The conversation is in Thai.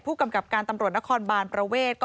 ผู้กำกับการตำรวจนครบานประเวท